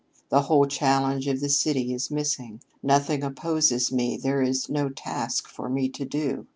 The whole challenge of the city is missing. Nothing opposes me, there is no task for me to do.